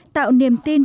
tạo niềm tin